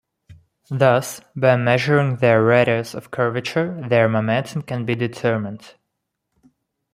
Thus, by measuring their radius of curvature, their momentum can be determined.